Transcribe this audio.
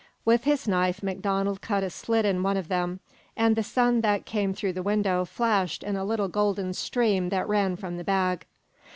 With his knife MacDonald cut a slit in one of them, and the sun that came through the window flashed in a little golden stream that ran from the bag.